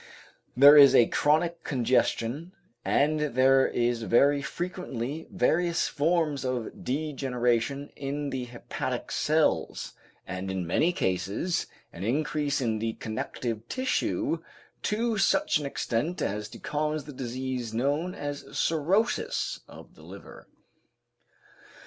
There is a chronic congestion, and there is very frequently various forms of degeneration in the hepatic cells, and in many cases an increase in the connective tissue to such an extent as to cause the disease known as cirrhosis of the liver.